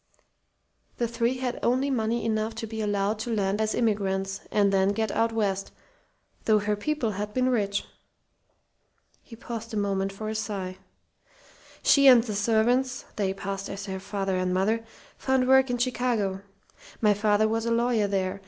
The three had only money enough to be allowed to land as immigrants, and to get out west though her people had been rich." He paused a moment for a sigh. "She and the servants they passed as her father and mother found work in Chicago. My father was a lawyer there.